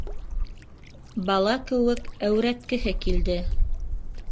Бала кеүек әүрәткеһе килде.